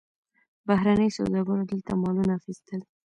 بهرنیو سوداګرو دلته مالونه اخیستل.